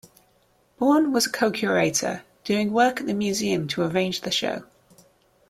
Bourne was a co-curator, doing work at the museum to arrange the show.